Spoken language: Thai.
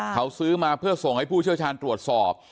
เขาซื้อมาเพื่อส่งให้ผู้เชี่ยวชาญตรวจสอบ